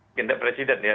agenda presiden ya